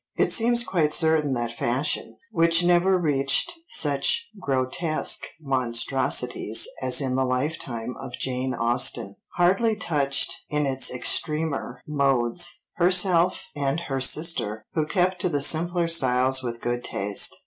It seems quite certain that fashion, which never reached such grotesque monstrosities as in the lifetime of Jane Austen, hardly touched, in its extremer modes, herself and her sister, who kept to the simpler styles with good taste.